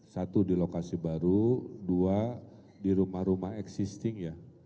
satu di lokasi baru dua di rumah rumah existing ya